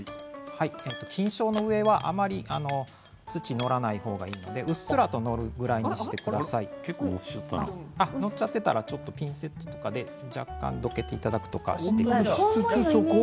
菌床の上は、あまり土載らない方がいいので、うっすらと載るぐらいにしてください。載っちゃっていたらちょっとピンセットで若干どけていただくとかして。